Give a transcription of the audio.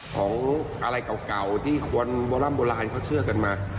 ของอะไรเก่าที่คนโบร่ำโบราณเขาเชื่อกันมา